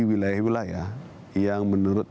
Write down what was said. wilayah wilayah yang menurut